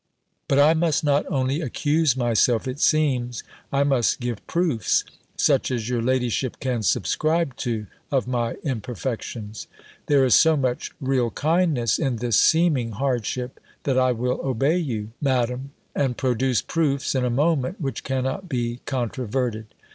But I must not only accuse myself, it seems, I must give proofs, such as your ladyship can subscribe to, of my imperfections. There is so much real kindness in this seeming hardship, that I will obey you. Madam, and produce proofs in a moment, which cannot be controverted.